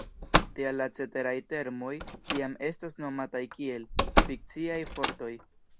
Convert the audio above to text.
Tial la ceteraj termoj tiam estas nomataj kiel "fikciaj fortoj".